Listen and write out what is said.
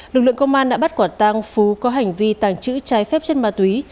lực lượng công an đã bắt quả tang phú có hành vi tàng trữ trái phép chất ma túy